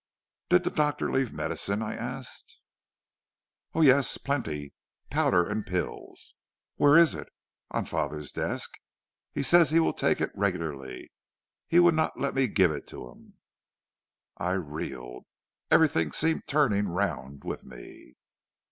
"'Did the doctor leave medicine?' I asked. "'Oh, yes, plenty; powder and pills.' "'Where is it?' "'On father's desk. He says he will take it regularly. He would not let me give it to him.' "I reeled; everything seemed turning round with me.